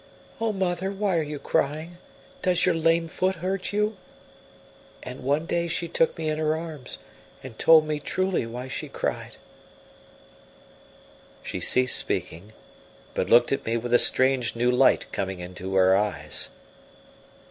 'Oh, mother, why are you crying? Does your lame foot hurt you?' And one day she took me in her arms and told me truly why she cried." She ceased speaking, but looked at me with a strange new light coming into her eyes.